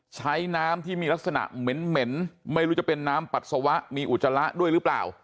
ใช้น้ำที่มีลักษณะเหม็นไม่รู้จะเป็นน้ำปัสสาวะมีอุจจาระด้วยหรือเปล่า